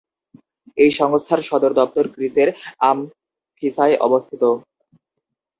এই সংস্থার সদর দপ্তর গ্রিসের আমফিসায় অবস্থিত।